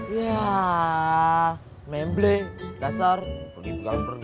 ya membleng dasar pergi pergigal pergigi